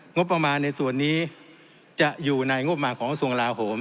งบประมาณในส่วนนี้จะอยู่ในงบมาของกระทรวงลาโหม